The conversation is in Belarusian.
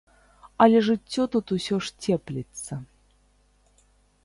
Але жыццё тут усё ж цепліцца.